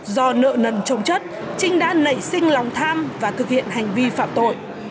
do nợ nần trồng chất trinh đã nảy sinh lòng tham và thực hiện hành vi phạm tội